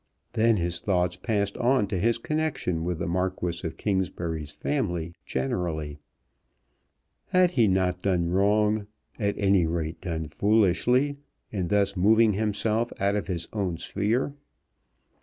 Then his thoughts passed on to his connexion with the Marquis of Kingsbury's family generally. Had he not done wrong, at any rate, done foolishly, in thus moving himself out of his own sphere?